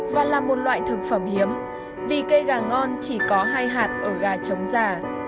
và là một loại thực phẩm hiếm vì cây gà ngon chỉ có hai hạt ở gà trống già